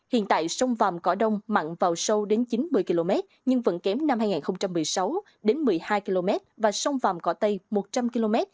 hiện tại sông vàm cỏ đông mặn vào sâu đến chín mươi km nhưng vẫn kém năm hai nghìn một mươi sáu đến một mươi hai km và sông vàm cỏ tây một trăm linh km